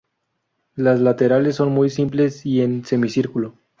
Los laterales son muy simples y en semicírculo.